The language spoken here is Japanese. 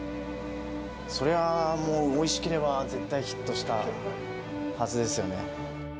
そりゃもう、おいしければ絶対ヒットしたはずですよね。